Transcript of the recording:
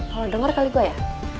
kalo denger kali gua ya